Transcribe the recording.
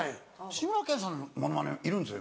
志村けんさんのモノマネいるんですよ